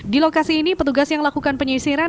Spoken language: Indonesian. di lokasi ini petugas yang lakukan penyisiran